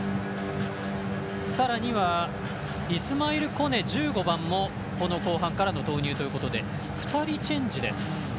さらにはイスマエル・コネ、１５番もこの後半からの投入ということで２人チェンジです。